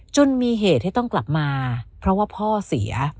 จนมีเหตุให้ต้องกลับมาเพราะว่าพ่อเสีย